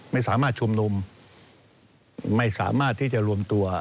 ไม่สามารถชุมนุมไม่สามารถที่จะรวมตัว